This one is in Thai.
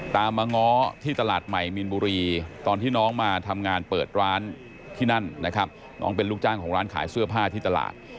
ตามมาง้อที่ตลาดใหม่มีนบุรีตอนที่น้องมาทำงานเปิดร้านที่นั่นนะครับน้องเป็นลูกจ้างของร้านขายเสื้อผ้าที่ตลาด